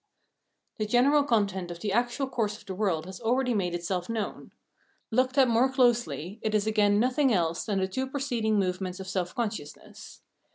The general content of the actual course of the world has already made itself known. Looked at more closely, it is again nothing else than the two preceding movements of self consciousness.